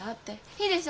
いいでしょ？